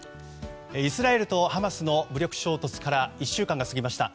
イスラエルとハマスの武力衝突から１週間が過ぎました。